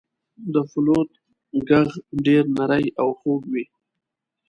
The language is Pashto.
• د فلوت ږغ ډېر نری او خوږ وي.